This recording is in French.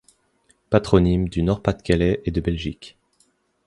Patronyme du Nord-Pas-de-Calais et de Belgique.